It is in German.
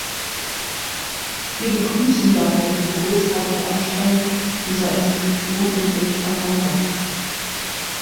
Wir begrüßen daher diese großartige Anstrengung unserer Institution im Bericht von Herrn Rack.